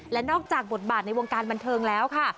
และนอกจากบทบาทในวงการบันเทิงแล้วค่ะ